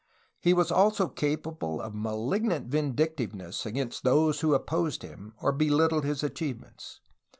'' He was also capable of malignant vindictiveness against those who opposed him or belittled his achievements.